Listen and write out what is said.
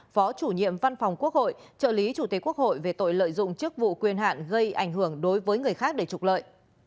phó chủ nhiệm văn phòng quốc hội trợ lý chủ tế quốc hội về tội lợi dụng chức vụ quyền hạn gây ảnh hưởng đối với người khác để trục lợi